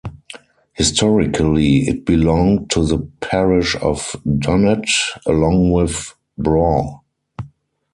Historically, it belonged to the Parish of Dunnet, along with Brough.